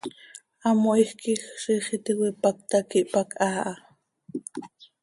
Hamoiij quij, ziix iti cöipacta quih pac haa ha.